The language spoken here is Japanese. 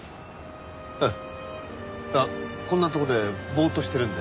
あっこんなとこでぼーっとしてるんで。